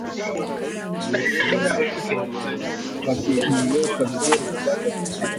Wakijiweka vizuri kupata kivutio cha uwekezaji mkubwa wa mtaji wa kigeni na kufikia kuwa kituo cha fedha cha kieneo